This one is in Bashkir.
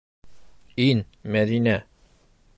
Ин, Мәҙинә...